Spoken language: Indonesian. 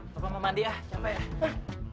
bapak mau mandi ah capek ya